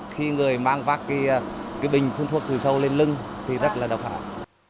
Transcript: khi người mang vác cái bình phun thuốc trừ sâu lên lưng thì rất là độc hại